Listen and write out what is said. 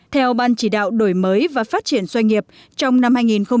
theo ban chỉ đạo đổi mới và phát triển doanh nghiệp trong năm hai nghìn một mươi bảy